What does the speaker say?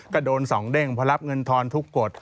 กระโดนส่องเด้งพระรับเงินทอนทุกกฎ